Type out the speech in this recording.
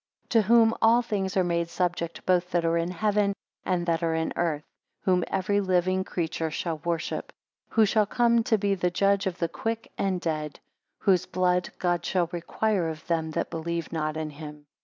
7 To whom all things are made subject, both that are in heaven, and that are in earth; whom every living creature shall worship; who shall come to be the judge of the quick and dead: whose blood God shall require of them that believe not in him.